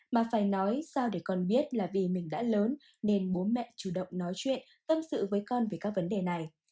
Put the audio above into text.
mà phải nói sao để con biết là vì mình đã lớn nên bố mẹ chủ động nói chuyện tâm sự với con về các vấn đề này